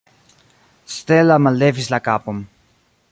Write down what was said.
Stella mallevis la kapon.